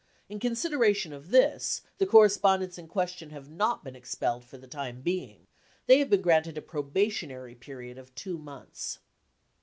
In consideration of this, the correspondents in question have not been expelled for the time being ; they have been granted a probationary period of two months.